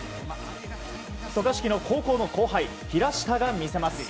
渡嘉敷の高校の後輩平下が魅せます。